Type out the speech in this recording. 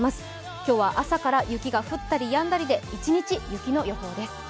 今日は朝から雪が降ったりやんだりで一日雪の予報です。